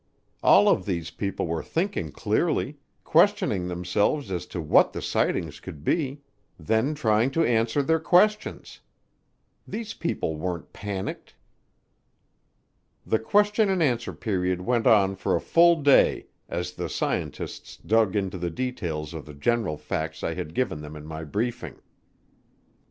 All of these people were thinking clearly, questioning themselves as to what the sightings could be; then trying to answer their questions. These people weren't panicked. The question and answer period went on for a full day as the scientists dug into the details of the general facts I had given them in my briefing.